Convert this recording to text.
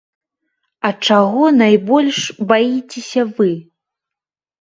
А чаго найбольш баіцеся вы?